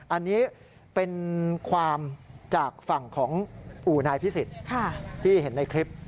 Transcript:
อันนี้เป็นความจากฝั่งของอู่นายพิสิทธิ์ที่เห็นในคลิป